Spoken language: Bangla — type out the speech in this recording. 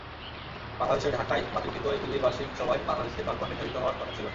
বাংলাদেশে ঢাকায় বাতিলকৃত এপিজির বার্ষিক সভায় বাংলাদেশের ভাগ্য নির্ধারিত হওয়ার কথা ছিল।